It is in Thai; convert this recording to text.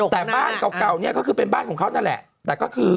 แต่บ้านเก่าเนี่ยก็คือเป็นบ้านของเขานั่นแหละแต่ก็คือ